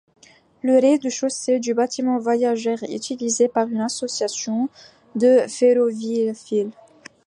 Le rez-de-chaussée du bâtiment voyageurs est utilisé par une association de ferroviphiles.